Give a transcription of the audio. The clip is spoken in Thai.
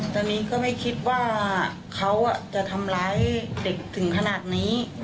ตอนนี้ก็ไม่คิดว่าเขาจะทำร้ายเด็กถึงขนาดนี้